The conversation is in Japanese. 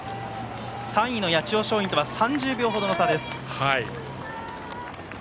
３位の八千代松陰とは３０秒程の差です。